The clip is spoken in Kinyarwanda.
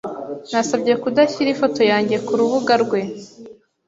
Nasabye kudashyira ifoto yanjye kurubuga rwe.